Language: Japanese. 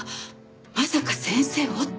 「まさか先生を」って。